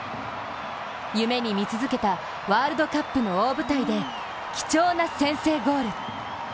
夢に見続けたワールドカップの大舞台で貴重な先制ゴール。